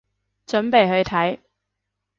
準備去睇